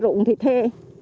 rụng thì thê